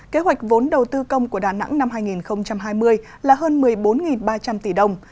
kế hoạch vốn đầu tư công của đà nẵng năm hai nghìn hai mươi là hơn một mươi bốn ba trăm linh tỷ đồng